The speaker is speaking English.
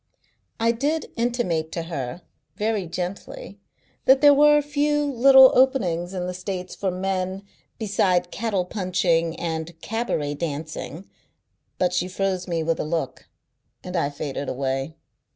I did intimate to her, very gently, that there were a few little openings in the States for men beside cattle punching and cabaret dancing, but she froze me with a look, and I faded away.